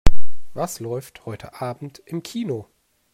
Was läuft heute Abend im Kino?